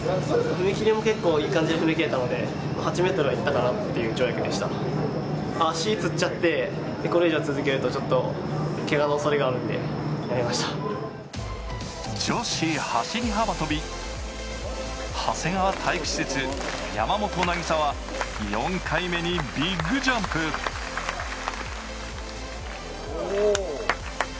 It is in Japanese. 踏みきりも結構いい感じで踏みきれたので８ｍはいったかなっていう跳躍でした足つっちゃってこれ以上続けるとちょっとケガの恐れがあるんでやめました女子走幅跳長谷川体育施設山本渚は４回目にビッグジャンプ・おおっ！